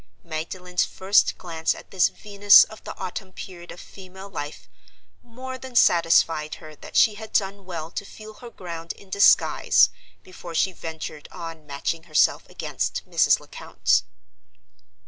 Magdalen's first glance at this Venus of the autumn period of female life more than satisfied her that she had done well to feel her ground in disguise before she ventured on matching herself against Mrs. Lecount.